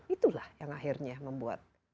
itulah yang akhirnya membuat